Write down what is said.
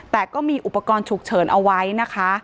แต่ก็มีอุปกรณ์ฉุกเฉินเอาไว้นะคะ